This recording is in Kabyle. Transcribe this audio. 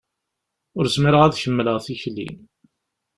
Ur zmireɣ ad kemmleɣ tikli.